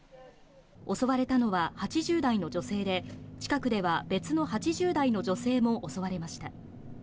襲われたのは８０代の女性で、近くでは別の８０代の女性も襲われました。